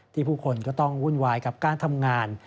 ผู้คนก็ต้องวุ่นวายกับการทำงาน